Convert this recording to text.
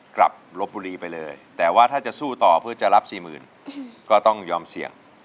กลับลบบุรีไปเลยแต่ว่าถ้าจะสู้ต่อเพื่อจะรับสี่หมื่นก็ต้องยอมเสี่ยง